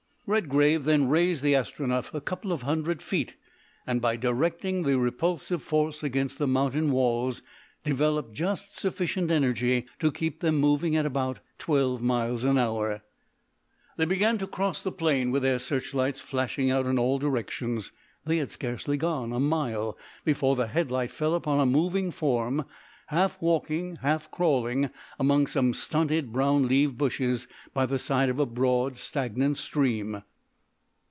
Redgrave then raised the Astronef a couple of hundred feet and, by directing the repulsive force against the mountain walls, developed just sufficient energy to keep them moving at about twelve miles an hour. They began to cross the plain with their searchlights flashing out in all directions. They had scarcely gone a mile before the head light fell upon a moving form half walking, half crawling among some stunted brown leaved bushes by the side of a broad, stagnant stream.